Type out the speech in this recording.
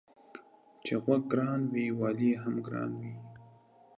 چي غوږ گران وي والى يې هم گران وي.